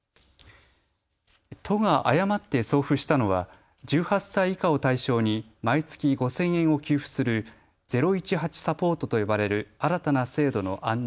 都が誤って送付したのは１８歳以下を対象に毎月５０００円を給付する０１８サポートと呼ばれる新たな制度の案内